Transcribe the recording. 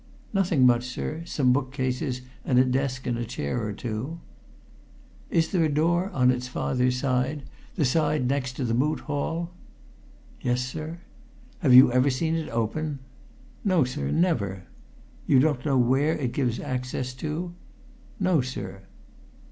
"Nothing much, sir. Some book cases and a desk and a chair or two." "Is there a door on its farther side the next side to the Moot Hall?" "Yes, sir." "Have you ever seen it open?" "No, sir, never." "You don't know where it gives access to?" "No, sir."